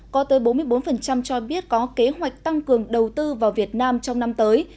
có tới bốn mươi bốn cho biết có kế hoạch tăng cường đầu tư vào việt nam trong năm tới